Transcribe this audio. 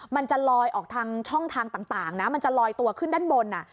มันจะลอยออกทางช่องทางต่างนะมันจะลอยตัวขึ้นด้านบน